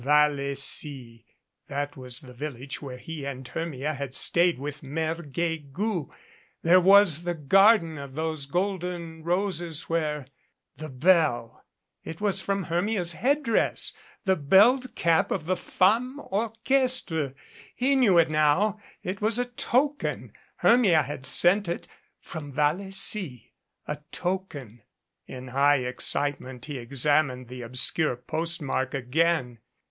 Vallecy ! That was the vil lage where he and Hermia had stayed with Mere Guegou. There was the garden of the golden roses where The bell ! It was from Hermia' s head dress the belled cap of the Femme Or chest re! He knew it now It was a token. Hermia had sent it from Vallecy. A token. In high excitement he examined the obscure postmark again.